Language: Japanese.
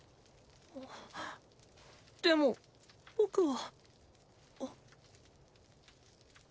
でも僕は。